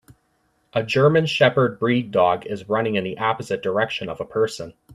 A German sheperd breed dog is running in the opposite direction of a person.